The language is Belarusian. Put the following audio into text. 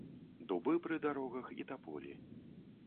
Дубы пры дарогах і таполі.